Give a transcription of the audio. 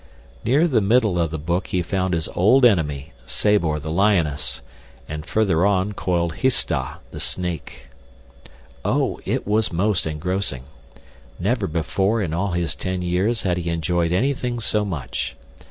Near the middle of the book he found his old enemy, Sabor, the lioness, and further on, coiled Histah, the snake. Oh, it was most engrossing! Never before in all his ten years had he enjoyed anything so much.